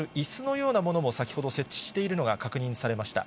ようなものも先ほど設置しているのが確認できました。